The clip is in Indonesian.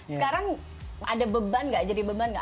sekarang ada beban nggak jadi beban nggak